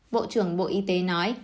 bộ trưởng bộ y tế nói